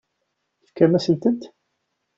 Tefkamt-asen-tent?